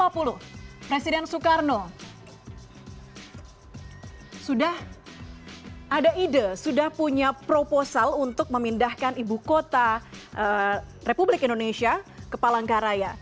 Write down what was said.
presiden soekarno sudah ada ide sudah punya proposal untuk memindahkan ibu kota republik indonesia ke palangkaraya